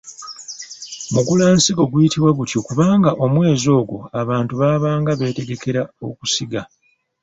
Mugulansigo guyitibwa gutyo kubanga omwezi ogwo abantu baabanga beetegekera okusiga.